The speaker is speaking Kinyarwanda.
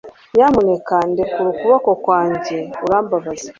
nyamuneka ndekure ukuboko kwanjye. urambabaza